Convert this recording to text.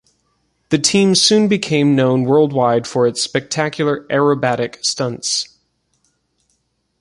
The team soon became known worldwide for its spectacular aerobatic stunts.